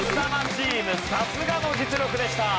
チームさすがの実力でした。